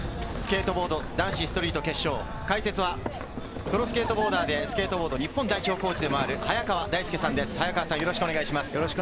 スケートボード男子ストリート決勝の解説は、プロスケートボーダーでスケートボード日本代表コーチでもある早川大輔さんです。